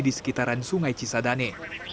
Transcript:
di sekitaran sungai cisadane